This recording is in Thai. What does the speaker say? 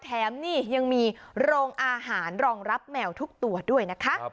แถมนี่ยังมีโรงอาหารรองรับแมวทุกตัวด้วยนะคะ